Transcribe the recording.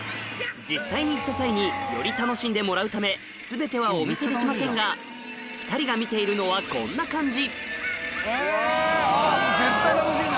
実際に行った際により楽しんでもらうため全てはお見せできませんが２人が見ているのはこんな感じ